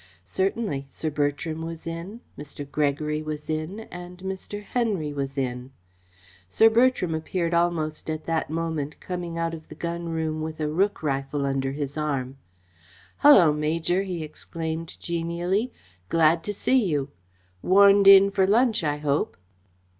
Certainly, Sir Bertram was in, Mr. Gregory was in, and Mr. Henry was in. Sir Bertram appeared almost at that moment, coming out of the gun room with a rook rifle under his arm. "Hullo, Major!" he exclaimed genially. "Glad to see you. Warned in for lunch, I hope."